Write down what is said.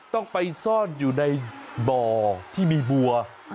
ต้องไปซ่อนอยู่ในบ่อที่มีบัว